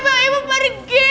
mas kiri ibu pergi